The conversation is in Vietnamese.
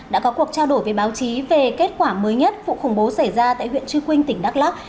báo chí về kết quả mới nhất vụ khủng bố xảy ra tại huyện trư quynh tỉnh đắk lắc